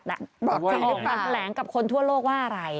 จะมีการแถลงกับคนทั่วโลกว่าอะไร